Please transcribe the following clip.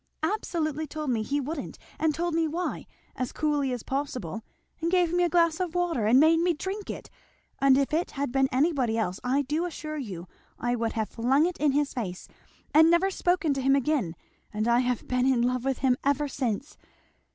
absolutely told me he wouldn't, and told me why, as coolly as possible, and gave me a glass of water and made me drink it; and if it had been anybody else I do assure you I would have flung it in his face and never spoken to him again; and I have been in love with him ever since.